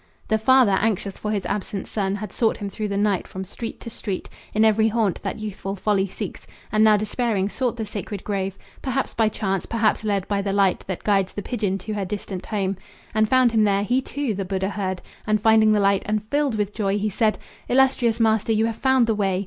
The father, anxious for his absent son, Had sought him through the night from street to street In every haunt that youthful folly seeks, And now despairing sought the sacred grove Perhaps by chance, perhaps led by the light That guides the pigeon to her distant home And found him there. He too the Buddha heard, And finding light, and filled with joy, he said: "Illustrious master, you have found the way.